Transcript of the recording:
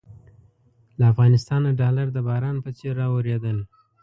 له افغانستانه ډالر د باران په څېر رااورېدل.